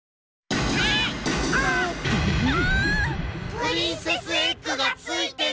プリンセスエッグがついてない。